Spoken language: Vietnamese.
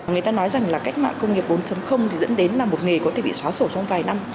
người ta nói rằng là cách mạng công nghiệp bốn thì dẫn đến là một nghề có thể bị xóa sổ trong vài năm